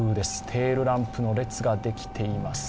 テールランプの列ができています。